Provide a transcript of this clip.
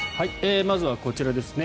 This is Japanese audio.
まずは、こちらですね。